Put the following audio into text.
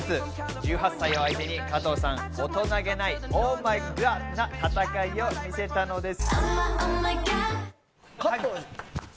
１８歳を相手に加藤さん、大人げないＯｈＭｙＧｏｄな戦いを見せたのです。